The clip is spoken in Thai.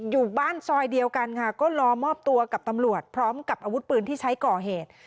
อยู่บ้านซอยเดียวกันค่ะก็รอมอบตัวกับตำรวจพร้อมกับอาวุธปืนที่ใช้ก่อเหตุ